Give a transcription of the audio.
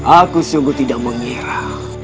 aku sungguh tidak mengira